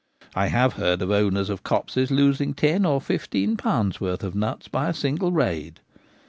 I have heard of owners of copses losing ten or fifteen pounds' worth of nuts by a single raid.